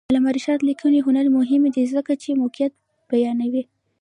د علامه رشاد لیکنی هنر مهم دی ځکه چې موقعیت بیانوي.